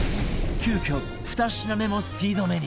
急遽２品目もスピードメニュー